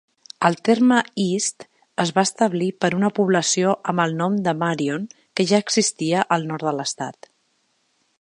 El terme "East" es va establir per una població amb el nom de Marion que ja existia al nord de l'estat.